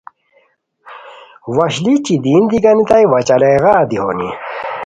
وشلی چیدین دی گانتائے وا چالائے غار دی ہونی